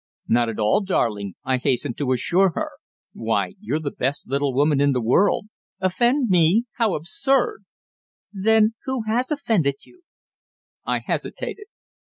"Not at all, darling," I hastened to assure her. "Why, you're the best little woman in the world. Offend me how absurd!" "Then who has offended you?" I hesitated.